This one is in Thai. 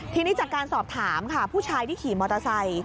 ทีนี้จากการสอบถามค่ะผู้ชายที่ขี่มอเตอร์ไซค์